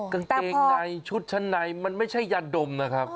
กางเกงในชุดชั้นในมันไม่ใช่ยาดมนะครับ